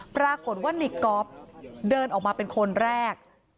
ปรากฏว่าในก๊อฟเดินออกมาเป็นคนแรก